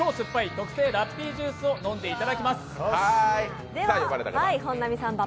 特製ラッピージュースを飲んでいただきます。